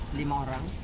sekitar lima orang